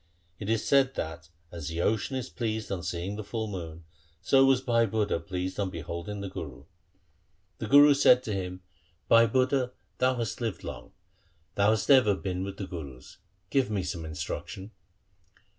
It is said that, as the ocean is pleased on seeing the full moon, so was Bhai Budha pleased on beholding the Guru. The Guru said to him, ' Bhai 1 Gauri. 126 THE SIKH RELIGION Budha thou hast lived long. Thou hast been ever with the Gurus. Give me some instruction.'